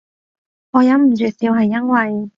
我忍唔住笑係因為